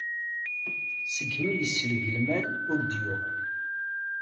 Segmi yesreg lmal, ur d-yuɣal.